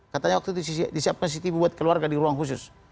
katanya waktu itu disiapkan cctv buat keluarga di ruang khusus